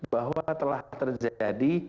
bahwa telah terjadi